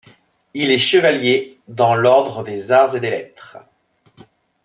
Il est chevalier dans l'ordre des arts et des lettres.